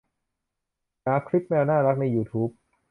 หาคลิปแมวน่ารักในยูทูบ